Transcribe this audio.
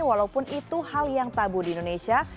walaupun itu hal yang tabu di indonesia